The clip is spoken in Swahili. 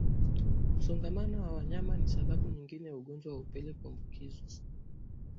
Msongamano wa wanyama ni sababu nyingine ya ugonjwa wa upele kuambukizwa